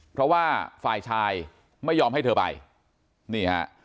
เพราะว่าฝ่ายชายไม่ยอมให้เธอไปนี่ฮะ